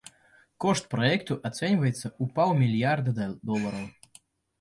Кошт праекту ацэньваецца ў паўмільярда долараў.